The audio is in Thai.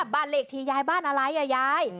บ้านเลขที่ยายบ้านอะไรอ่ะยาย